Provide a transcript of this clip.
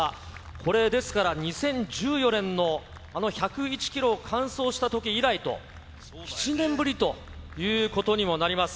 これ、ですから２０１４年のあの１０１キロ完走したとき以来と、７年ぶりということにもなります。